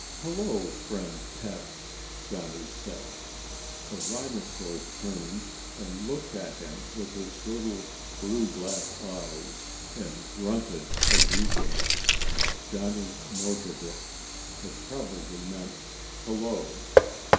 "Hello, friend pet," Johnny said. The rhinosaur turned and looked at him with his little blue black eyes and grunted a greeting. Johnny noted it. It probably meant "hello."